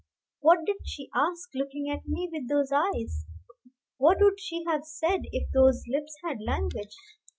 What did she ask, looking at me with those eyes? What would she have said if "those lips had language"?